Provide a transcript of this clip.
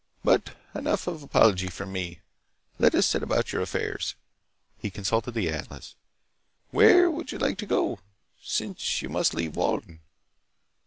But enough of apology from me. Let us set about your affairs." He consulted the atlas. "Where would you like to go, since you must leave Walden?"